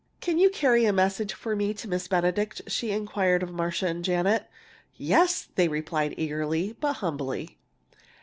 "Can you carry a message for me to Miss Benedict?" she inquired of Marcia and Janet. "Yes!" they replied eagerly, but humbly.